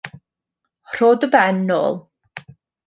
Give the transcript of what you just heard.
Rho dy ben nôl.